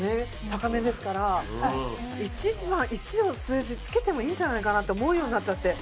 高めですから「１」の数字つけてもいいんじゃないかなって思うようになっちゃって。